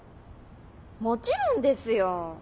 もちろんですよォ。